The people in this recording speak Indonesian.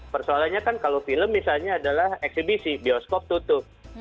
persoalannya kan kalau film misalnya adalah eksibisi bioskop tutup